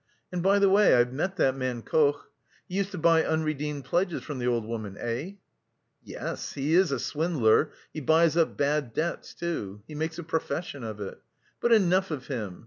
And, by the way, I've met that man Koch. He used to buy unredeemed pledges from the old woman? Eh?" "Yes, he is a swindler. He buys up bad debts, too. He makes a profession of it. But enough of him!